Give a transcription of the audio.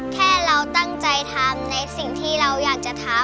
แค่เราตั้งใจทำในสิ่งที่เราอยากจะทำ